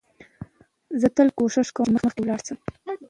زه تل کوښښ کوم، چي مخکي ولاړ سم.